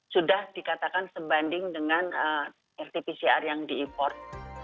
sudah dikatakan sebanding dengan rt pcr yang diimport